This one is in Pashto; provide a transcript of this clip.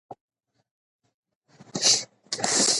طبیعت د ژوند د دوام لپاره اړین دی